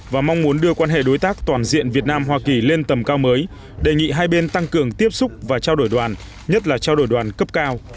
và mong muốn đưa quan hệ đối tác toàn diện việt nam hoa kỳ lên tầm cao mới đề nghị hai bên tăng cường tiếp xúc và trao đổi đoàn nhất là trao đổi đoàn cấp cao